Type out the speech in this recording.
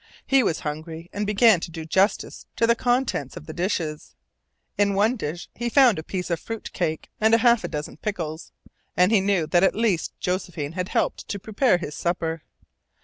He was hungry, and began to do justice to the contents of the dishes. In one dish he found a piece of fruit cake and half a dozen pickles, and he knew that at least Josephine had helped to prepare his supper.